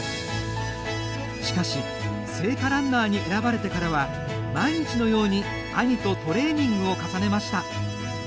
しかし、聖火ランナーに選ばれてからは毎日のように兄とトレーニングを重ねました。